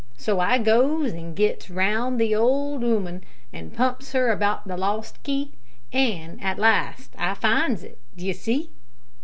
So I goes an' gets round the old 'ooman, an' pumps her about the lost key, an' at last I finds it d'ye see?"